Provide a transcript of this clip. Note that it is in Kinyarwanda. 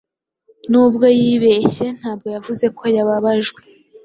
Nubwo yibeshye, ntabwo yavuze ko yababajwe.